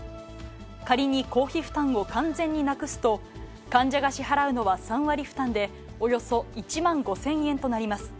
仮に公費負担を完全になくすと、患者が支払うのは３割負担でおよそ１万５０００円となります。